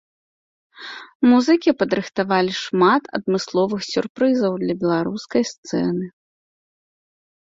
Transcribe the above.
Музыкі падрыхтавалі шмат адмысловых сюрпрызаў для беларускай сцэны.